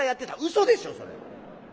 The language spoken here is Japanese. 「嘘でしょそれ。